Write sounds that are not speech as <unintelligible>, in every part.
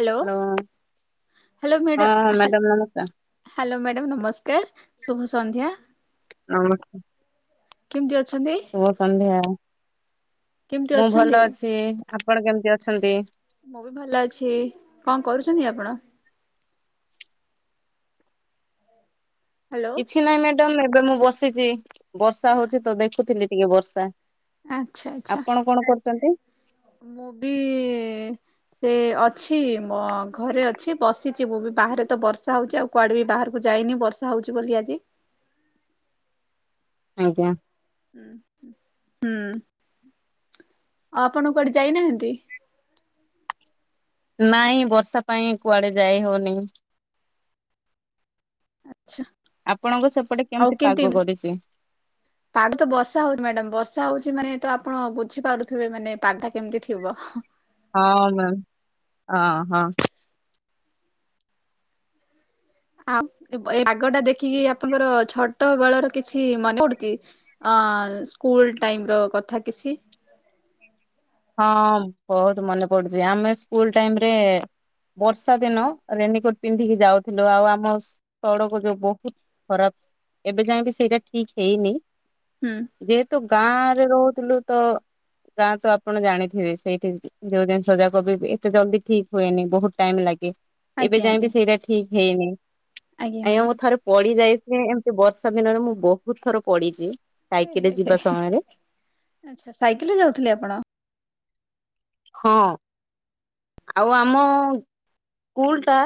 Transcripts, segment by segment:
Hello hello mad ହଁ ହା madam ନମସ୍କାର। ହ୍ୟାଲୋ ମ୍ୟାଡାମ୍ ନମସ୍କାର ଶୁଭ ସନ୍ଧ୍ୟା। ଆ ବ କେମିତି ଅଛନ୍ତି ଶୁଭ ସନ୍ଧ୍ୟା। କେମିତି ମୁଁ ଅଛନ୍ତି? ଭଲ ଅଛି ଆପଣ କେମିତି ଅଛନ୍ତି? ମୁଁ ବି ଭଲ ଅଛି କଣ କରୁଛନ୍ତି ଆପଣ? ହ୍ୟାଲୋ। କିଛି ନାହିଁ ମ୍ୟାଡାମ ଏବେ ମୁଁ ବସିଛି ବର୍ଷା ହଉଛି ତ ଦେଖୁଥିଲି ଟିକେ ବର୍ଷା। ଆଚ୍ଛା ଆଚ୍ଛା ଆପଣ କଣ କରୁଛନ୍ତି? ମୁଁ ବି ସେ ଅଛି ମୋ ଘରେ ଅଛି ବସିଛି ମୁଁ ବି ବାହାରେ ତ ବର୍ଷା ହଉଛି ଆଉ କୁଆଡେ ବି ବାହାରକୁ ଯାଇନି ବର୍ଷା ହଉଛି ବୋଲି ଆଜି। ଆଜ୍ଞା। ହୁଁ ଆଉ ଆପଣ କୁଆଡେ ଯାଇନାହାନ୍ତି? ନାଇଁ ବର୍ଷା ପାଇଁ କୁଆଡେ ଯାଇହଉନି? ଆଛା ଆପଣଙ୍କ ସେପଟେ କେମିତି ପାଗ କରିଛି? ହୁଁ ପାଗ ତ ବର୍ଷା ହଉଛିି ମ୍ୟାଡାମ ବର୍ଷା ହଉଛି ମାନେ ତ ଆପଣ ବୁଝିପାରୁଥିବେ ମାନେ ପାଗଟା କେମିତି ଥିବ? ହଁ ମ୍ୟାମ ହଁ ହଁ। ଆ ଏ ଆଗଟା ଦେଖିକି ଆପଣଙ୍କର ଛୋଟ ବେଳର କିଛି ମନେ ପଡୁଛି? ଅଁ ସ୍କୁଲ ଟାଇମର କଥା କିଛି? ହଁ ବହୁତ ମନେ ପଡୁଛି ଆମେ ସ୍କୁଲ ଟାଇମରେ ବର୍ଷା ଦିନ ରେନିକୋଟ ପିନ୍ଧିକି ଯାଉଥିଲୁ ଆଉ ଆମ ସଡକ ଯୋଉ ବହୁତ ଖରାପ ଏବେ ଯାଏ ବିି ସେଇଟା ଠିକ ହେଇନି। ହୁଁ। ଯେହେତୁ ଗାଁରେ ରହୁଥିଲୁ ତ ଗାଁ ତ ଆ ଆପଣ ଜାଣିଥିବେ ସେଇଠି ଯୋଉ ଜିନିଷ ଯାକବି ଏତେ ଜଲଦି ଠିକ ହୁଏନି ବହୁତ ଟାଇମ ଲାଗେ। ଏବେ ଆଜ୍ଞା ଯାଏବି ଆଜ୍ଞା ସେଇଟା ଠିକ ହେଇନି ଆଜ୍ଞା ଆଜ୍ଞାଁ ମୁଁ ମ୍ୟାଡାମ। ଥରେ ପଡିିଯାଇଛି ଏମିତି ବର୍ଷା ଦିନରେ ମୁଁ ବହୁତ ଥର ପଡିଛି। ଏ ହେ ସାଇକେଲ ହେ ଯିବା ସମୟରେ ଆଚ୍ଛା ସାଇକେଲରେ ଯାଉଥିଲେ ଆପଣ? ହଁ। ଆଉ ଆମ ସ୍କୁଲଟା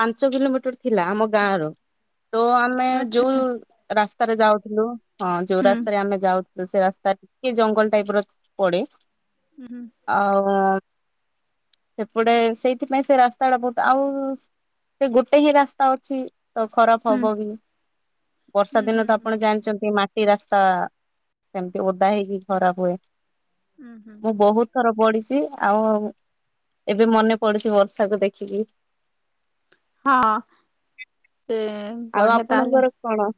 ପାଞ୍ଚ କିଲୋମିଟର ଥିଲା ଆମ ଗାଁ ର ତ ଆମେ ଆଚ୍ଛା ଯୋଉ ଆଚ୍ଛା ରାସ୍ତାରେ ଯାଉଥିଲୁ ହଁ ଯୋଉ ହୁଁ ରାସ୍ତାରେ ଆମେ ଯାଉଥିଲୁ ସେ ରାସ୍ତାରେ କି ଜଙ୍ଗଲ ଟାଇପ ର ପଡେ। ହୁଁ। ଆଉ ସେପଟେ ସେଇଥିପାଇଁ ସେ ରାସ୍ତାଟା ବହୁତ ଆଉ ସେ ଗୋଟେ ହିଁ ରାସ୍ତା ଅଛି। ତ ଖରାପ ହୁଁ। ହୁଁ ହବ ବି ବର୍ଷା ଦିନ ହୁଁ ତ ହୁଁ ଆପଣ ଜାଣିଛନ୍ତି ମା ଟି ରାସ୍ତା ସେମିତି ଓଦା ହେଇକି ଖରାପ ହୁଏ ହୁଁ ହୁଁ ମୁଁ ବହୁତ ଥର ପଡିଛି ଆଉ ଏବେ ମନେ ପଡୁଛି ବର୍ଷାକୁ ଦେଖିକି? ହଁ ସେ ଆଉ ବଢିଆ ତାହେଲେ। ଆପଣଙ୍କର କଣ?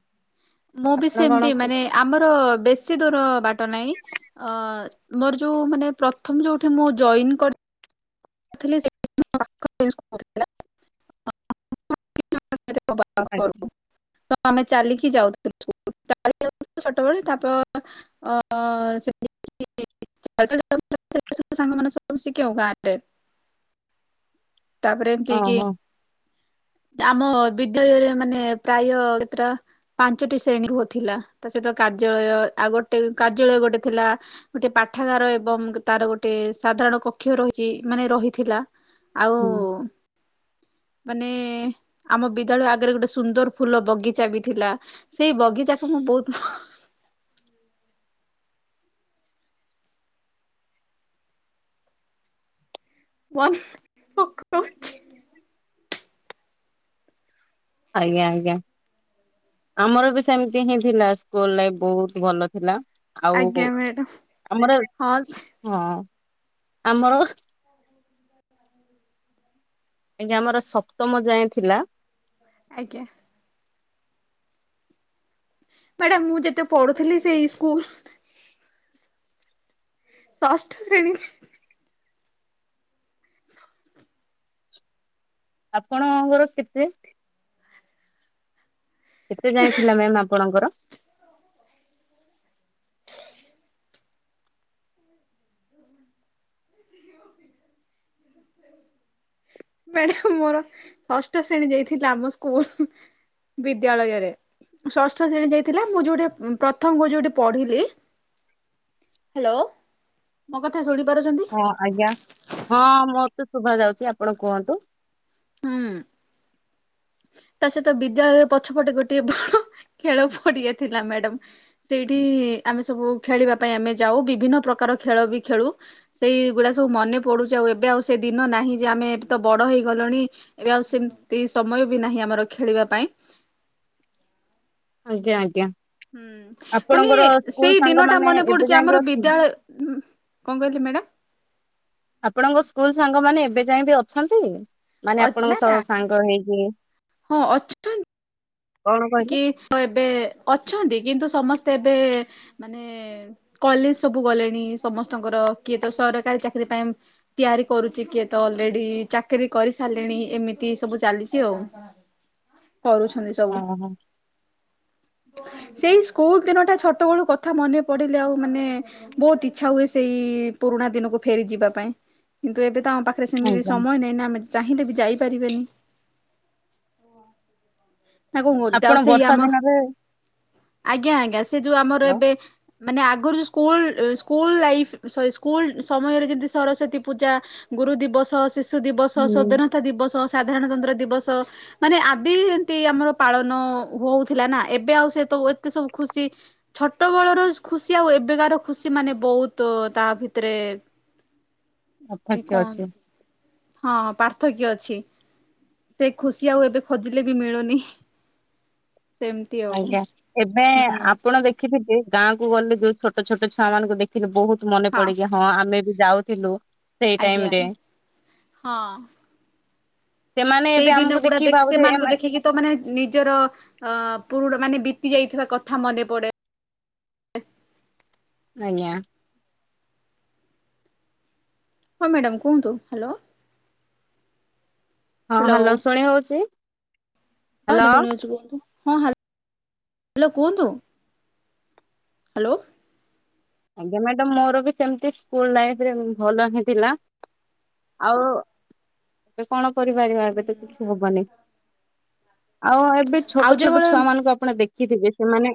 ମୁଁ ବି ଆପଣ କଣ ସେମତି ମାନେ ଆମର ବେଶୀ ଦୂର ବାଟ ନାହିଁ। ଅ ମୋର ଯୋଉ ମାନେ ପ୍ରଥମ ଯୋଉଠି ମୁଁ ଜଇନ୍ <inaudible> <inaudible> ତ ଆମେ ଚାଲିକି ଯାଉଥିଲୁୁ ଇସ୍କୁଲ ଚାଲିକି ଯାଉଥିଲୁ ଛୋଟବେଳେ ତାପରେ ଅ ସେ <unintelligible> ସେ ସଂଙ୍ଗମାନେ ଶଂସିକ ହ ଗ ଆରେ <unintelligible> ତାପରେ ଏମତିକି ଓହୋ ଆମ ବିଦ୍ୟାଳୟରେ ମାନେ ପ୍ରାୟ କେତଟା ପାଞ୍ଚଟି ଶ୍ରେଣୀ ଘୂହ ଥିଲା ତା ସହିତ କାର୍ଯ୍ୟାଳୟ ଆଉ ଗୋଟେ କାର୍ଯ୍ୟାଳୟ ଗୋଟେ ଥିଲା। ଗୋଟେ ପାଠାଗାର ଏବଂ ତାର ଗୋଟେ ସାଧାରଣ କକ୍ଷ ରହିଛି ମାନେ ରହିଥିଲା ଆଉ ହୁଁ। ମାନେ ଆମ ବିଦ୍ୟାଳୟ ଆଗରେ ଗୋଟେ ସୁନ୍ଦର ଫୁଲ ବଗିଚା ବି ଥିଲା। ସେଇ ବଗିଚାକୁ ମୁଁ ବହୁତ ଭ ହ ୱନ୍‌ ମୁଁ କହୁଛି ଆଜ୍ଞା ଆଜ୍ଞା। ଆମର ବି ସେମିତି ହିଁ ଥିଲା ସ୍କୁଲ ଲାଇଫ ବହୁତ ଭଲ ଥିଲା। ଆଉ ଆଜ୍ଞା ମ୍ୟାଡ଼ାମ ଆମର ହଁ ସେ ହଁ ଆମର ଆଜ୍ଞା ଆମର ସପ୍ତମ ଯାଏଁ ଥିଲା। ଆଜ୍ଞା। ମ୍ୟାଡାାମ ମୁଁ ଯେତେ ପଢୁଥିଲି ସେଇ ସ୍କୁଲ ଷଷ୍ଠ ଶ୍ରେଣୀ ଆପଣଙ୍କର କେତେ କେତେ ଯାଏଁ ଥିଲା ମ୍ୟାମ୍ ଆପଣଙ୍କର? ମ୍ୟାଡାମ ମୋର ଷଷ୍ଠ ଶ୍ରେଣୀ ଯାଇଥିଲା ଆମ ସ୍କୁଲ। ବିଦ୍ୟାଳୟରେ ଷଷ୍ଠ ଶ୍ରେଣୀ ଯାଇଥିଲା ମୁଁ ଯୋଉଠି ପ୍ରଥମ ଯୋଉଠି ମୁଁ ପଢିଲି ହ୍ୟାଲୋ ମୋ କଥା ଶୁଣିପାରୁଚନ୍ତି। ହଁ ଆଜ୍ଞା ହଁ ମତେ ଶୁଦ୍ଭା ଯାଉଛି ଆପଣ କୁହନ୍ତୁ। ହୁଁ। ତା ସହିତ ବିଦ୍ୟାଳୟରେ ପଛପଟେ ଗୋଟେ ବଡ ଖେଳ ପଡିଆ ଥିଲା ମ୍ୟାଡାମ। ସେଇଠି ଆମେ ସବୁ ଖେଳିବା ପାଇଁ ଆମେ ଯାଉ ବିଭିନ୍ନ ପ୍ରକାର ଖେଳ ବି ଖେଳୁ। ସେଇଗୁଡ଼ା ସବୁ ମନେ ପଡ଼ୁଚି ଆଉ ଏବେ ଆଉ ସେ ଦିନ ନାହିଁ ଯେ ଆମେ ଏବେ ତ ବଡ଼ ହେଇଗଲଣି। ଏବେ ଆଉ ସେମତି ସମୟ ବି ନାହିଁ ଆମର ଖେଳିବା ପାଇଁ। ଆଜ୍ଞା ଆଜ୍ଞା। ହୁଁ ମାନେ ଆପଣଙ୍କର ସ୍କୁଲ ସେଇ ଦିନ ଟା ସାଙ୍ଗମାନେ ମନେ ଏବେ ଯାଏଁ ବି ପଡୁଚିଆମର ଅଛି? ବିଦ୍ୟାଳୟ କଆଁ କଇଲେ ମ୍ୟାଡ଼ାମ ଆପଣଙ୍କ ସ୍କୁଲ ସାଙ୍ଗମାନେ ଏବେ ଯାଇ ବି ଅଛନ୍ତି। ମାନେ ଅ ଆପଣଙ୍କ ନା ସହ ନା ସାଙ୍ଗ ହେଇକି ହଁ ଅଛ୍ କେନ୍। କଣ କହିଲେ? କି ଏବେ ଅଛନ୍ତି କିନ୍ତୁ ସମସ୍ତେ ଏବେ ମାନେ କଲେଜ ସବୁ ଗଲେଣି ସମସ୍ତଙ୍କର କିଏ ତ ସରକାରୀ ଚାକିରି ପାଇଁ ତିଆରି କରୁଚିି କିଏ ତ ଅଲରେଡି ଚାକିରିୀ କରି ସାରିଲେଣି ଏମିତି ସବୁ ଚାଲିଚି ଆଉ। କରୁଛନ୍ତି ସବୁ। ଓହୋ ସେଇ ସ୍କୁଲ ଦିନଟା ଛୋଟ ବେଳୁ କଥା ମନେ ପଡିଲେ ଆଉ ମାନେ ବହୁତ ଇଚ୍ଛା ହୁଏ ସେଇ ପୁରୁଣା ଦିନକୁ ଫେରି ଯିବା ପାଇଁ, କିନ୍ତୁ ଏବେ ତ ଆମ ପାଖରେ ପାରେ ସେମିତି ଆଜ୍ଞା ସମୟ ନାହିଁ ନା ଆମେ ଚାହିଁଲେ ବି ଯାଇପାରିବେନି। ନା କଣ କରୁଛି ଆପଣ ଆଉ ସେଇ ବର୍ଷା ଆମ ଦିନରେ ଆଜ୍ଞା ଆଜ୍ଞା ସେ ଯୋଉ ଆମର ଏବେ ମାନେ ଆଗରୁ ଯେଉଁ school school life sorry school ସମୟରେ ଯେମିତି ସରସ୍ୱତୀ ପୂଜା ଗୁରୁ ଦିବସ ଶିଶୁ ଦିବସ ହୁଁ ସଵାଧୀନତା ଦିବସ ସାଧାରଣତନ୍ତ୍ର ଦିବସ ମାନେ ଆଦି ଆମର ପାଳନ ହଉଥିଲା ନା, ଏବେ ଆଉ ସେ ତ ଏତେ ସବୁ ଖୁସି ଛୋଟ ବଳର ଖୁସି ଆଉ ଏବେକାର ଖୁସି ମାନେ ବହୁତ ତା ଭିତରେ ପାର୍ଥକ୍ୟ କମ୍। ଅଛି ହଁ ପାର୍ଥକ୍ୟ ଅଛି, ସେ ଖୁସି ଆଉ ଏବେ ଖୋଜିଲେ ବି ବି ମିଳୁନି। ସେମିତି ଆଉ ଆଜ୍ଞା ଏବେ ହୁଁ ଆପଣ ଦେଖିଥେ ଯେ ଗାଁକୁ ଗଲେ ଯୋଉ ଛୋଟ ଛୋଟ ଛୁଆ ମାନଙ୍କୁ ଦେଖ ରେ ବୋହୁତ ମନେ ପଡକି ହଁ ଆମେ ବି ଯାଉଥିଲୁ। ସେଇ ଟାଇମ ଆଜ୍ଞା ରେ ହଁ। ସେମାନେ ଏବେ ସେଇ ଦିନ ଆମକୁ ଗୁଡା ଦେଖିକି ଦେଖି ଭାବୁଥିବେ ସେମାନଙ୍କୁ ଏମାନେ ଦେଖିକି ତ ମାନେ ନିଜର ଅ ପୁରୁଣା ମାନେ ବିତି ଯାଇଥିବା କଥା ମନେ ପଡେ। ଆଜ୍ଞା। ହଁ ମ୍ୟାଡ଼ାାମ କୁହନ୍ତୁ ହ୍ୟାଲୋ? ହଁ ହ୍ୟାଲୋ ଶୁଣି ହଉଛି? <unintelligible> ହ୍ୟାଲୋ ହଁ ହ୍ୟାଲୋ କୁହନ୍ତୁ? ହ୍ୟାଲୋ। ଆଜ୍ଞା ମ୍ୟାଡ ମୋର ବି ସେମତି ସ୍ଲ ଲାଇରେ ଭଲ ହିଁ ଥିଲା ଆଉ ଏବେ କଣ କରିପାରିବା ଏବେ ତ କିଛି ହବନି। ଆଉ ଏବେ ଆଉ ଛୋଟ ଛୋଟ ଯେଭଳି ଛୁଆ ମାନଙ୍କୁ ଆପଣ ଦେଖିଥିବେ ସେମାନେ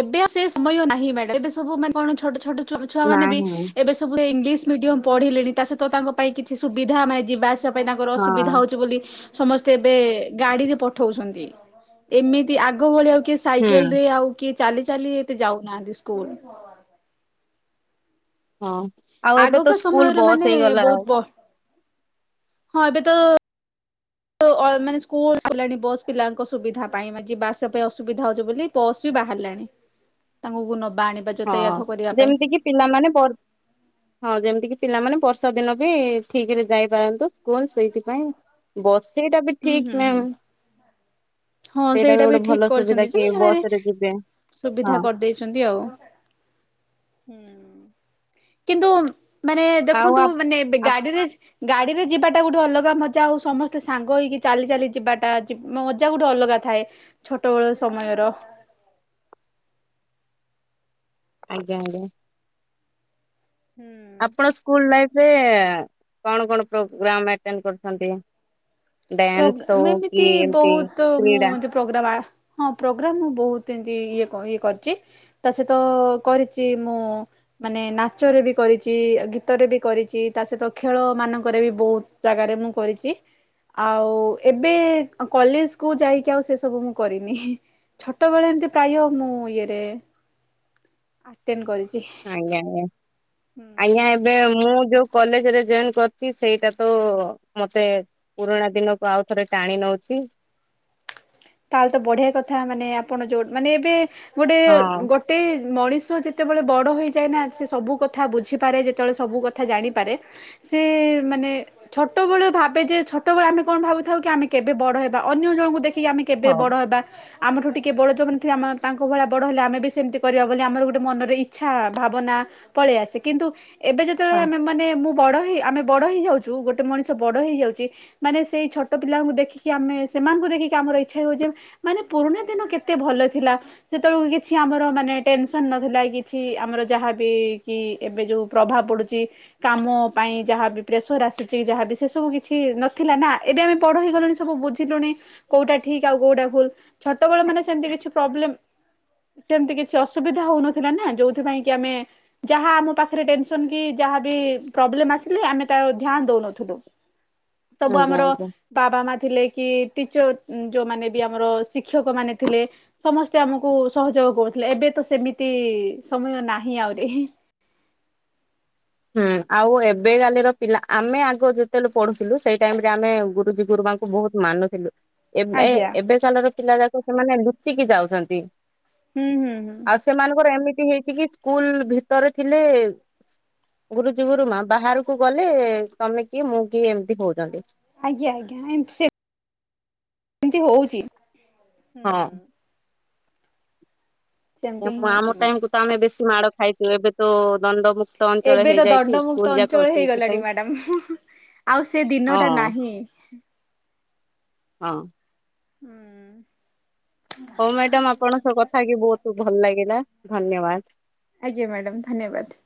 ଏବେ ସେ ସମୟ ନାହିଁ ମ୍ୟାଡ ଏବେ ସବୁ ମାନେ କଣ ଛୋଟ ଛୋ ଛ ଛୁଆ ମାନେ ବି ନାହିଁ ଏବେ ସବୁ ଇଂଲିଶ ମିଡ଼ିୟମ ପଢ଼ିଲେଣି ତା ସହିତ ତାଙ୍କ ପାଇଁ କିଛି ସୁବିଧା ମାନେ ଯିବା ଆସିବା ପାଇଁ ତାଙ୍କର ଅସୁବିଧା ହଁ ହେଉଛି ବୋଲି ସମସ୍ତେ ଏବେ ଗାଡିରେ ପଠଉଛନ୍ତି, ଏମିତି ଆଗ ଭଳିଆ ଆଉ କିଏ ହୁଁ ସାଇକେଲ ରେ ଆଉ କିଏ ଚାଲି ଚାଲି ଏତେ ଯାଉନାହାନ୍ତି ସ୍କୁଲ। ହଁ ଆଉ ଏବେ ତ ଆଗକା ସ୍କୁଲ ସମୟରେ ବସ୍ ମାନେ ହେଇଗଲା ବହୁତ ଆଉ। ବ ହଁ ଏବେ ତ ମାନେ ସ୍କୁଲ ହେଲାଣି ବସ୍ ପିଲାଙ୍କ ସୁବିଧା ପାଇଁ ବାସ ପାଇଁ ଅସୁବିଧା ହଉଛି ବୋଲି ପସ୍ ବି ବାହାରିଲାଣି ତାଙ୍କୁକୁ ନେବା ଆଣିବା ହଁ ଯତାୟାତ କରିବା ପାଇଁ। ଯେମିତି କିି ପିଲାମାନେ ହଁ ଯେମିତି କିି ପିଲାମାନେ ବର୍ଷା ଦିନ ବି ଠିକ ରେ ଯାଇପାରନ୍ତୁ ସ୍କୁଲ ସେଇଥିପାଇଁ ବସେଇଟା ବି ହୁଁ ହୁଁ ଠିକ ହୁଁ। ମ୍ୟାମ୍ ହଁ ସେଇଟା ବି ଗୋଟେ ଠିକ ଭଲ ସୁବିଧା କରିଛନ୍ତି ଯେ କି ବସ ସୋରେ ରେ ଯିବେ ସୁବିଧା ହଁ କରିଦେଇ ଅଛନ୍ତି ଆଉ ହୁଁ। କିନ୍ତୁ ମାନେ ଦେଖନ୍ତୁ ଆଉ ମାନେ ଗାଡିରେ ଗାଡ଼ିରେ ଯିବାଟା ଗୋଟେ ଅଲଗା ମଜା ଆଉ ସମସ୍ତେ ସାଙ୍ଗ ହୋଇକି ଚାଲି ଚାଲି ଯିବାଟା ମଜା ଗୋଟେ ଅଲଗା ଥାଏ। ଛୋଟବେଳ ସମୟ। ଆଜ୍ଞା। ହୁଁ। ଆପଣ ସ୍କୁଲ ଲାଇ କଣ କଣ ପ୍ରୋଗ୍ରମ୍ କର? ଡ୍ୟାନ୍ସ ପ୍ରୋଗ୍ରାମ ହଉ କି ଏମିତି ଏମତି ବହୁତ ମୁଁ କ୍ରୀଡ଼ା ଏମିତି ପ୍ରୋଗ୍ରାମ ହଁ ପ୍ରୋଗ୍ରାମ ମୁଁ ବହୁତ ଏମତି ଇଏ ଇଏ କରିଛି। ତା ସହିତ କରିଛି ମୁଁ ମାନେ ନାଚରେ ବି କରିଛି ଗୀତରେ ବି କରିଛି ତା ସହିତ ଖେଳ ମାନଙ୍କରେ ବି ବହୁତ ଜାଗାରେ ମୁଁ କରିଛି। ଆଉ ଏବେ କଲେଜ କୁ ଯାଇକି ଆଉ ସେ ସବୁ ମୁଁ କରିନି। ଛୋଟ ବଳେ ଏମିତି ପ୍ରାୟ ମୁଁ ଇଏରେ ଅଟେନ୍ କରିଛି। ଆଜ୍ଞା ଆଜ୍ଞା। ଆଜ୍ଞା ଏବେ ମୁଁ ଯୋଉ କଲେଜରେ ଜଏନ କରଚି ସେଇଟା ତ ମତେ ପୁରୁଣା ଦିନକୁ ଆଉ ଥରେ ଟାଣି ନଉଚି। ତାହେଲେ ତ ବଢିଆ କଥା ମାନେ ଆପଣ ଯୋଉ ମାନେ ଏବେ ଗୋଟେ ହଁ ଗୋ ଟେ ମଣିଷ ଯେତେବେଳେ ବଡ଼ ହୋଇଯାଏ ନା ସେ ସବୁ କଥା ବୁଝିପାରେ ଯେତେବେଳେ ସବୁ କଥା ଜାଣିପାରେ। ସେ ମାନେ ଛୋଟବେଳୁ ଭାବେ ଯେ ଛୋଟବେଳେ ଆମେ କଣ ଭାବୁଥାଉ କି ଆମେ କେବେ ବଡ ହେବା ଅନ୍ୟ ଜଣଙ୍କୁ ଦେଖିକି ଆମେ କେବେ ହଉ। ବଡ ହେବା? ଆମଠୁ ଟିକିଏ ବଡ଼ ଯୋଉମାନେ ଥିବ ଆମ ତାଙ୍କ ଭଳିଆ ବଡ଼ ହେଲେ ଆମେ ବି ସେମିତି କରିବା ବୋଲି ଆମର ଗୋଟେ ମନରେ ଇଚ୍ଛା ଭାବନା ପଳିଆସେ କିନ୍ତୁ ଏବେ ଯେତେବେଳେେ ହଁ। ଏ ମାନେ ମୁଁ ବଡ଼ ହେଇ ଆମେ ବଡ଼ ହେଇଯାଇଯାଉଚୁ ଗୋଟେ ମଣିଷ ବଡ଼ ହେଇଯାଉଚି। ମାନେ ସେଇ ଛୋଟ ପିଲାଙ୍କୁ ଦେଖିକି ଆମେ ସେମାନଙ୍କୁ ଦେଖିକି ଆମର ଏଇ ଇଚ୍ଛା ହୋଉଚି ମାନେ ପୁରୁଣା ଦିନ କେତେ ଭଲ ଥିଲା। ସେତେବେଳକୁ କିଛି ଆମର ମାନେ ଟେନସନ ନଥିଲା କିଛି ଆମର ଯାହାବି କି ଏବେ ଯୋଉ ପ୍ରଭାବ ପଡ଼ୁଚି। କାମ ପାଇଁ ଯାହାବି ପ୍ରେସର ଆସୁଚି ଯାହାବି ସେ ସବୁ କିଛି ନଥିଲା ନା ଏବେ ଆମେ ବଡ ହେଇଗଲେଣି ସ ସବୁ ବୁଝିଲୁଣି କୋଉଟା ଠିକ ଆଉ କୋଉଟା ଭୁଲୁ। ଛୋଟବେଳ ମାନେ ସେମତି କିଛି ପ୍ରୋବ୍ଲେମ ସେମତି କିଛି ଅସୁବିଧା ହୋଉନଥିଲା ନା ଯୋଉଥିପାଇଁଙ୍କି ଆମେ ଯାହା ଆମ ପାଖରେ ଟେନସନ କି ଯାହାବି ପ୍ରବ୍ଲେମ ଆସିଲେ ଆମେ ତା ଧ୍ୟାନ ଦୋଉନଥିଲୁ। ସବୁ ଆଜ୍ଞା ଆମର ଆଜ୍ଞା। ବାବା ମା ଥିଲେ କି ଟିଚର ଯେଉଁମାନେ ବି ଆମର ଶିକ୍ଷକମାନେ ଥିଲେ। ସମସ୍ତେ ଆମକୁ ସହଯୋଗ କରୁଥିଲେ ଏବେ ତ ସେମିତି ସମୟ ନାହିଁ ଆହୁରି। ହୁଁ ଆଉ ଏବେ କାଲିର ପିଲା ଆମେ ଆଗ ଯେତେବେଳୁ ପଢୁଥିଲୁ ସେଇ ଟାଇମ ରେ ଆମେ ଗୁରୁଜୀ ଗୁରୁମା ଙ୍କୁ ବହୁତ ମାନୁଥିଲୁ। ଏବେ ଆଜ୍ଞା ଏବେକାଲର ପିଲା ଯାକ ସେମାନେ ଲୁଚିକି ଯାଉଚନ୍ତି। ହୁଁ ହୁଁ ହୁଁ। ଆଉ ସେମାନଙ୍କର ଏମିତି ହେଇଚି କି ସ୍କୁଲ ଭିତରେ ଥିଲେ ଗୁରୁଜୀ ଗୁରୁମା ବାହାରକୁ ଗଲେ ତମେ କିଏ ମୁଁ କିଏ ଏମତି ହଉଛନ୍ତ। ଆଜ୍ଞା ଆଜ୍ଞା ଏମ ସେ ଏମିତି ହୋଉଚି। ହଁ। ସେମିତି ହିଁ ଆମ ହଉଛି ମ୍ୟାଡାମ। ଟାଇମ କୁ ତମେ ବେଶୀ ମାଡ଼ ଖାଇଥିଲେ। ଏବେ ତ ଦଣ୍ଡ ମୁୁକ୍ ଏବେ ତ ଦଣ୍ଡମୁକ୍ତ ଅଞ୍ଚଳ ହେଇଗଲାଣି ମ୍ୟାଡାମ ହୁଁ ହୁଁ। ଆଉ ସେ ହଁ ଦିନଟା ନାହିଁ। ହଁ। ହୁଁ। ହଉ ମ୍ୟାଡାମ ଆପଣଙ୍କସହ କଥା ହେଇକି ବହୁତ ଭଲ ଲାଗିଲା ଧନ୍ୟବାଦ। ଆଜ୍ଞା ମ୍ୟାଡ଼ାମ୍ ଧନ୍ୟବାଦ।